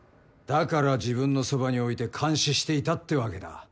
だから自分のそばに置いて監視していたってわけだ。